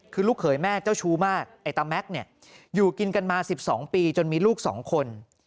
คือลูกเขยแม่เจ้าชู้มากไอ้ตาแม็กซ์เนี่ยอยู่กินกันมา๑๒ปีจนมีลูก๒คน